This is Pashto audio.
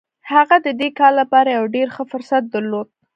هغه د دې کار لپاره يو ډېر ښه فرصت درلود.